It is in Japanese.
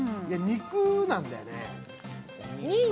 いや、肉なんだよね。